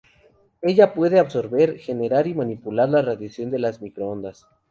Ella puede absorber, generar y manipular la radiación de las microondas.